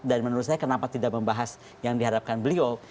dan menurut saya kenapa tidak membahas yang dihadapkan beliau